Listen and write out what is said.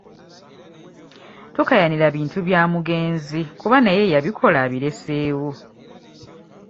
Tokaayanira bintu bya mugenzi kuba naye eyabikola abireseewo.